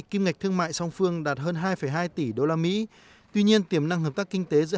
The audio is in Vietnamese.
kim ngạch thương mại song phương đạt hơn hai hai tỷ usd tuy nhiên tiềm năng hợp tác kinh tế giữa